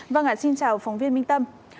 vâng ạ xin chào phóng viên minh tâm